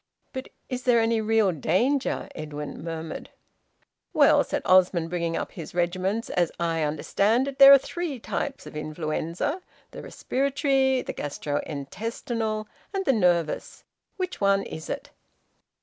"But is there any real danger?" Edwin murmured. "Well," said Osmond, bringing up his regiments, "as I understand it, there are three types of influenza the respiratory, the gastro intestinal, and the nervous. Which one is it?"